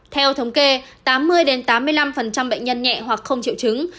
theo thống kê tám mươi tám mươi năm bệnh nhân nhẹ hoặc không triệu chứng